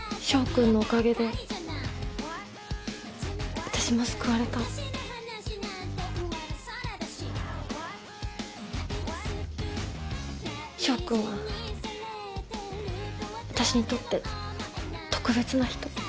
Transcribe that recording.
翔くんは私にとって特別な人。